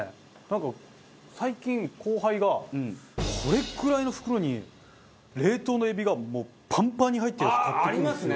なんか最近後輩がこれくらいの袋に冷凍のエビがもうパンパンに入ってるやつ買ってくるんですよ。